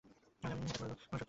কিন্তু তোমাকে আমি সত্যিটাই বলছি।